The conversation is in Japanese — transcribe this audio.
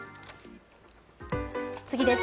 次です。